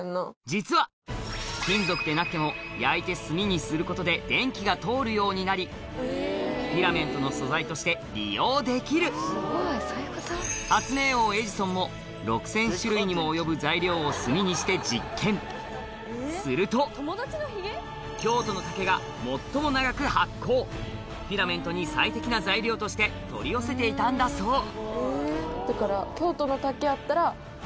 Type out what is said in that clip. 実は金属でなくても焼いて炭にすることで電気が通るようになりフィラメントの素材として利用できる発明王エジソンも６０００種類にも及ぶ材料を炭にして実験するとフィラメントに最適な材料として取り寄せていたんだそうだから。